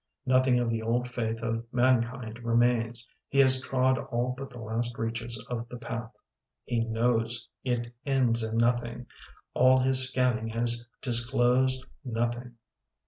Nothing of the old faith of man kind remains. He has trod all but the last reaches of the path. He knows it ends in nothing. All his scanning has disclosed nothing.